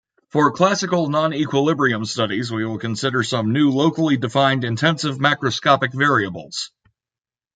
For classical non-equilibrium studies, we will consider some new locally defined intensive macroscopic variables.